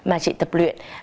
mà chị tập luyện